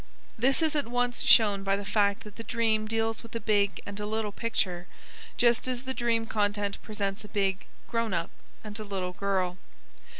This is at once shown by the fact that the dream deals with a big and a little picture, just as the dream content presents a big (grown up) and a little girl.